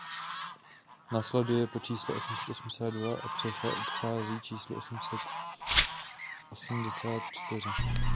Následuje po čísle osm set osmdesát dva a předchází číslu osm set osmdesát čtyři.